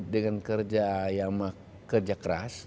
dengan kerja yang kerja keras